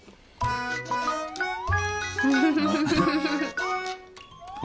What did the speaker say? ウフフフフ。